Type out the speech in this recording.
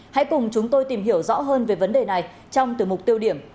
hãy cùng chúng tôi tìm hiểu rõ hơn về vấn đề này trong từ mục tiêu điểm